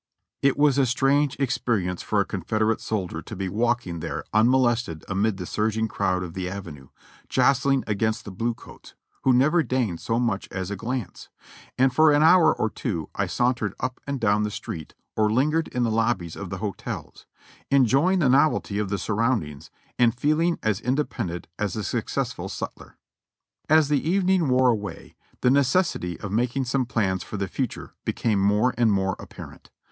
It was a strange experience for a Confederate soldier to be walkino there unmolested amid the surging crowd of the Avenue, iostling against the blue coats, who never deigned so much as a o lance; and for an hour or two I sauntered up and down the st?eet or lingered in the lobbies of the hotels, enjoymg the nov elty of the surroundings, and feeling as independent as a suc cessful sutler. ^,• 1 As the evening wore away the necessity of making some plans for the future became more and more apparent.